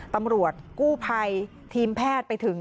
ตำรวจกู้ภัยทีมแพทย์ไปถึง